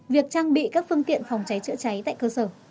việc trang bị các phương tiện phòng cháy chữa cháy tại cơ sở